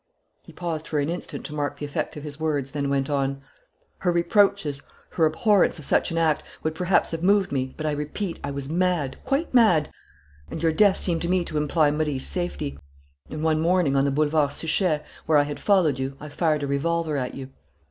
He paused for an instant to mark the effect of his words, then went on: "Her reproaches, her abhorrence of such an act, would perhaps have moved me, but, I repeat, I was mad, quite mad; and your death seemed to me to imply Marie's safety. And, one morning, on the Boulevard Suchet, where I had followed you, I fired a revolver at you.